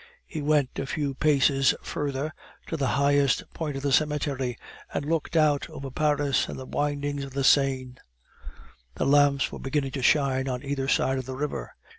He went a few paces further, to the highest point of the cemetery, and looked out over Paris and the windings of the Seine; the lamps were beginning to shine on either side of the river.